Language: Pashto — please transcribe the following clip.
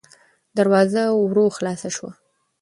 دروازه ورو خلاصه شوه.